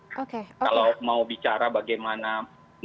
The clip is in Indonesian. oke oke kalau mau bicara bagaimana dedah atau bagaimana memperbaiki kemampuan